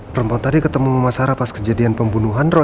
perempuan tadi ketemu sama sarah pas kejadian pembunuhan